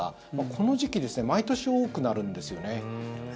この時期毎年多くなるんですよね。